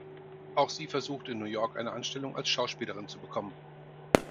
Auch sie versucht in New York eine Anstellung als Schauspielerin zu bekommen.